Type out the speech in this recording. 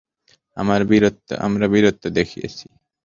আমরা বীরত্ব দেখিয়েছি।